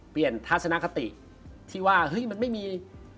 เปลี่ยนทัศนคติ